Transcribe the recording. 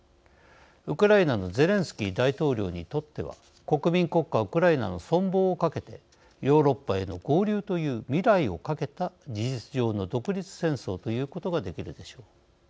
ウクライナのゼレンスキー大統領にとっては国民国家ウクライナの存亡をかけてヨーロッパへの合流という未来をかけた事実上の独立戦争と言うことができるでしょう。